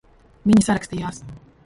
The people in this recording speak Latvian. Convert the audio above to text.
Viņi sarakstījās.